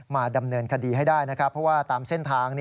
มาดำเนินคดีให้ได้เพราะว่าตามเซ่นทาง